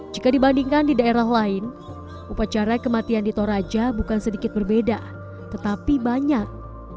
jika dibandingkan di daerah lain upacara kematian di toraja bukan sedikit berbeda tetapi banyak